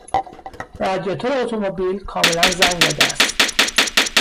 رادیاتور اتومبیل کاملا زنگ زده است.